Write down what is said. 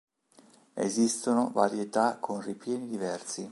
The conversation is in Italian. Esistono varietà con ripieni diversi.